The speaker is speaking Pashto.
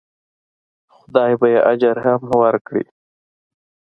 خدای به یې اجر هم ورکړي.